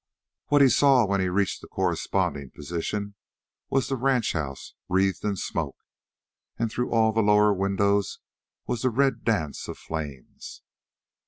What he saw when he reached a corresponding position was the ranch house wreathed in smoke, and through all the lower windows was the red dance of flames.